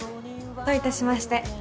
どういたしまして。